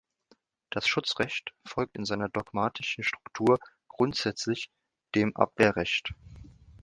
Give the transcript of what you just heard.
Das Schutzrecht folgt in seiner dogmatischen Struktur grundsätzlich dem Abwehrrecht.